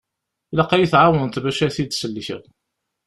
Ilaq ad yi-tɛawneḍ bac ad t-id-sellkeɣ.